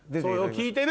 聞いてる？